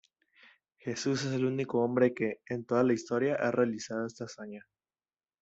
Jesús es el único hombre que, en toda la historia, ha realizado esta hazaña.